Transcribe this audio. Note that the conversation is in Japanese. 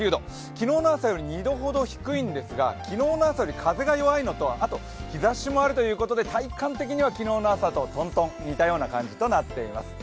昨日の朝より２度ほど低いんですが昨日の朝より風が弱いのと日ざしがあるということで体感的には昨日の朝とトントン似たような感じとなっています。